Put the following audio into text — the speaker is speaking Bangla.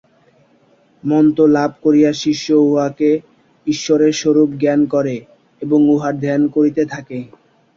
মন্ত্র লাভ করিয়া শিষ্য উহাকে ঈশ্বরের স্বরূপ জ্ঞান করে এবং উহার ধ্যান করিতে থাকে।